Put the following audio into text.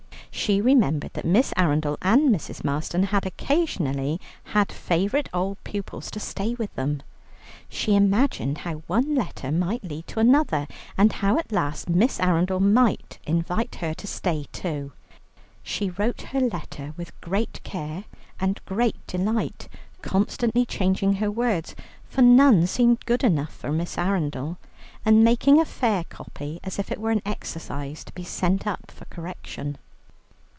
She remembered that Miss Arundel and Mrs. Marston had occasionally had favourite old pupils to stay with them. She imagined how one letter might lead to another, and how at last Miss Arundel might invite her to stay too. She wrote her letter with great care and great delight, constantly changing her words, for none seemed good enough for Miss Arundel, and making a fair copy, as if it were an exercise to be sent up for correction.